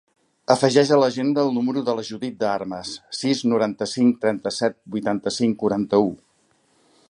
Afegeix a l'agenda el número de la Judith De Armas: sis, noranta-cinc, trenta-set, vuitanta-cinc, quaranta-u.